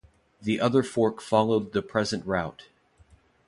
The other fork followed the present route.